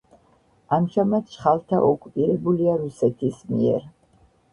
ამჟამად ჩხალთა ოკუპირებულია რუსეთის მიერ.